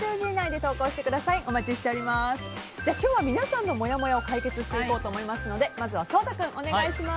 今日は皆さんのもやもやを解決していこうと思いますのでまずは颯太君、お願いします。